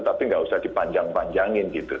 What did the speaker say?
tapi nggak usah dipanjang panjangin gitu